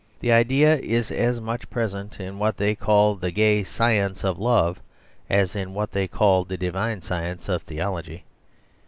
The idea is as much present in what they called the Gay Science, of love, as in what they called the Divine Science, of theology.